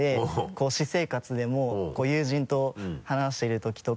こう私生活でも友人と話しているときとか。